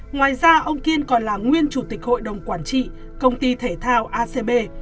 ngoài ra ông kiên còn là nguyên chủ tịch hội đồng quản trị công ty thể thao acb